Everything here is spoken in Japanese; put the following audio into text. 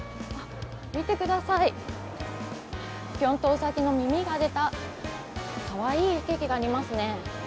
見てください、ぴょんとうさぎの耳が出た、かわいいケーキがありますね。